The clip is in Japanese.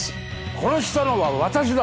殺したのは私だ！